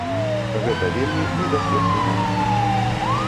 Гэта вельмі небяспечны момант.